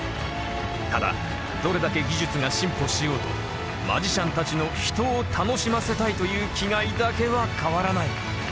ただどれだけ技術が進歩しようとマジシャンたちの人を楽しませたいという気概だけは変わらない。